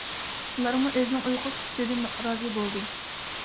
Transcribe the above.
ئۇلارمۇ ئۆزىنىڭ ئۇيقۇ سۈپىتىدىن رازى بولدى.